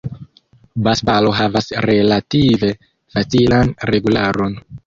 Basbalo havas relative facilan regularon.